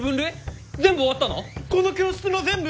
この教室の全部！？